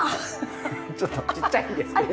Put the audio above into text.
ちょっとちっちゃいんですけれど。